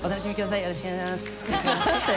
よろしくお願いします。